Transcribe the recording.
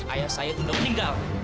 ayah saya sudah meninggal